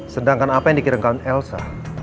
sedangkan apa yang dikirimkan elsa